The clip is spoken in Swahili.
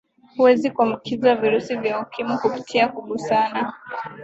huwezi kuambukizwa virusi vya ukimwi kupitia kugusana